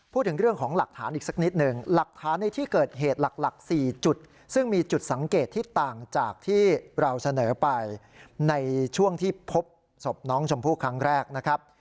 เป็นยุทธ์ซึ่งมีจุดสังเกตที่ต่างจากที่เราเสนอไปในช่วงที่พบศพน้องของชมผู้ครั้งแรกนะครับ